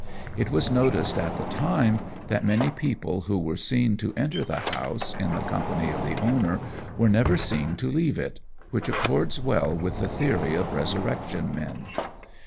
It was noticed at the time that many people who were seen to enter the house in the company of the owner were never seen to leave it, which accords well with the theory of resurrection men.